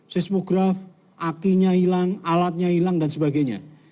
seismograf akinya hilang alatnya hilang dan sebagainya